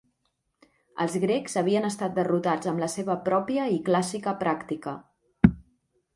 Els grecs havien estat derrotats amb la seva pròpia i clàssica pràctica.